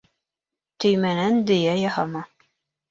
Төймәнән дөйә яһама.